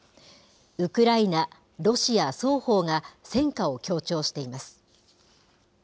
ウクライナ、ロシア双方が戦果を強調しています。